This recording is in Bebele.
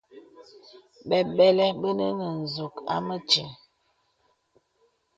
Bəmbə̀lə bə nə nzūk à mətíl.